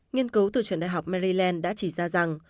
nghiên cứu từ trường đại học maryland đã chỉ ra rằng